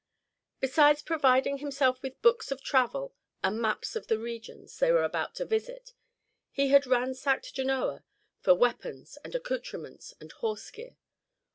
Besides providing himself with books of travel and maps of the regions they were about to visit, he had ransacked Genoa for weapons, and accoutrements, and horse gear.